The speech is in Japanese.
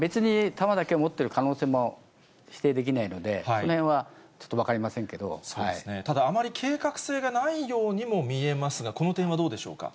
ただ、別に弾だけを持ってる可能性も否定できないので、そのへんそうですね、ただあまり計画性がないようにも見えますが、この点はどうでしょうか。